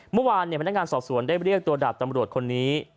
พนักงานสอบสวนได้เรียกตัวดาบตำรวจคนนี้